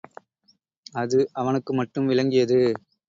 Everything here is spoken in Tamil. அது அவனுக்கு மட்டும் விளங்கியது.